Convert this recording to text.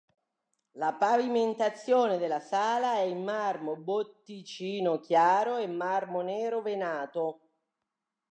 La pavimentazione della sala è in marmo Botticino chiaro e marmo nero venato.